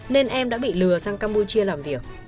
nên em đã bị lừa sang campuchia làm việc